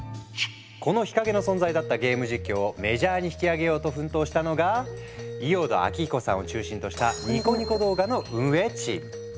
この日陰の存在だったゲーム実況をメジャーに引き上げようと奮闘したのが伊豫田旭彦さんを中心としたニコニコ動画の運営チーム。